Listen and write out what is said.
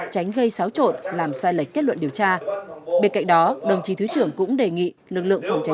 tránh gây xáo trộn làm sai lệch kết luận điều tra